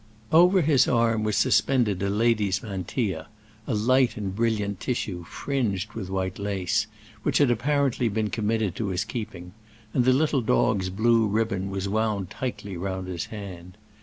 Over his arm was suspended a lady's mantilla—a light and brilliant tissue, fringed with white lace—which had apparently been committed to his keeping; and the little dog's blue ribbon was wound tightly round his hand.